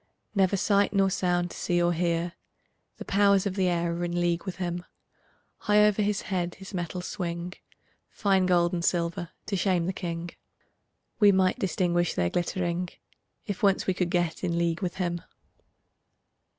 Never sight nor sound to see or hear; The powers of the air are in league with him; High over his head his metals swing, Fine gold and silver to shame the king; We might distinguish their glittering, If once we could get in league with him.